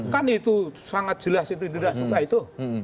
kan itu sangat jelas itu tidak suka itu